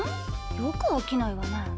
よく飽きないわね。